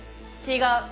違う！